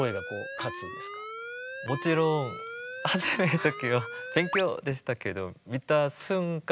もちろんはじめの時は勉強でしたけど見た瞬間